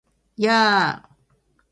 やー！！！